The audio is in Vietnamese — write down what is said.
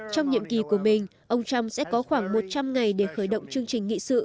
trong nhiệm kỳ của mình ông trump sẽ có khoảng một trăm linh ngày để khởi động chương trình nghị sự